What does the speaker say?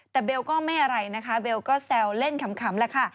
แต่เบลก็ไม่อะไรนะคะเบลก็แซวเล่นขำแหละค่ะ